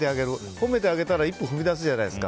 ほめてあげたら一歩踏み出すじゃないですか。